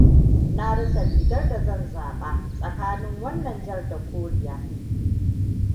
Na rasa rigar da zan zaɓa; tsakanin wannan jar da koriya.